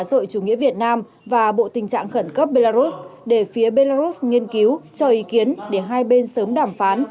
hội chủ nghĩa việt nam và bộ tình trạng khẩn cấp belarus để phía belarus nghiên cứu cho ý kiến để hai bên sớm đàm phán